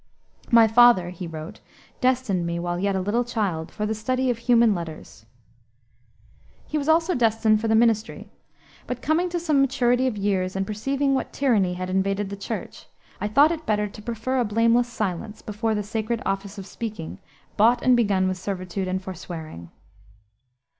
"My father," he wrote, "destined me, while yet a little child, for the study of humane letters." He was also destined for the ministry, but, "coming to some maturity of years and perceiving what tyranny had invaded the Church, ... I thought it better to prefer a blameless silence, before the sacred office of speaking, bought and begun with servitude and forswearing."